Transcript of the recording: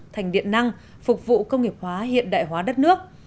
thành điện năng phục vụ công nghiệp hóa hiện đại hóa đất nước